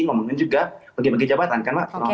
ngomongin juga bagi bagi jabatan kan mak